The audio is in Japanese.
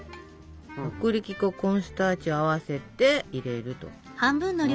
薄力粉コーンスターチを合わせて入れると。